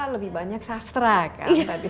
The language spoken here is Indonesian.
lebih banyak sastra kan